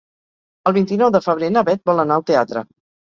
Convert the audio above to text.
El vint-i-nou de febrer na Beth vol anar al teatre.